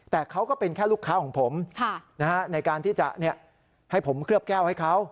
แต่เขาก็เป็นแค่ลูกค้าของผมในการที่จะให้ผมเคลือบแก้วให้เขา